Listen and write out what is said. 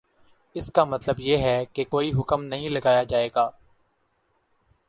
اس کا مطلب یہ ہے کہ کوئی حکم نہیں لگایا جائے گا